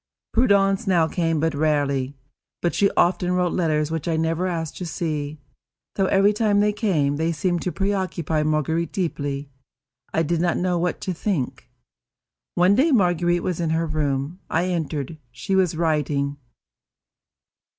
Prudence now came but rarely; but she often wrote letters which I never asked to see, though, every time they came, they seemed to preoccupy Marguerite deeply. I did not know what to think. One day Marguerite was in her room. I entered. She was writing.